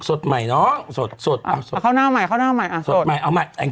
สดใหม่น้องสดสดเอาสดเอาข้าวหน้าใหม่ข้าวหน้าใหม่อ่ะ